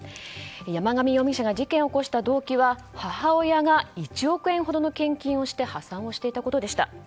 山上容疑者が事件を起こした動機は母親が１億円ほどの献金をして破産をしていたことでした。